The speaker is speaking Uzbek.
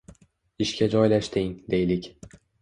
Ishga joylashding, deylik